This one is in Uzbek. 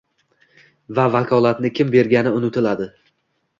va vakolatni kim bergani unutiladi.